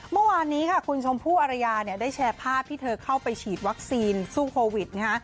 เมื่อวานนี้ค่ะคุณชมพู่อรยาเนี่ยได้แชร์ภาพที่เธอเข้าไปฉีดวัคซีนสู้โควิดนะฮะ